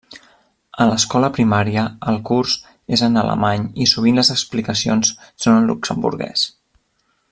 A l'escola primària, el curs és en alemany i sovint les explicacions són en luxemburguès.